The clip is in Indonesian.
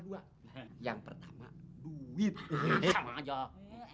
duit sama aja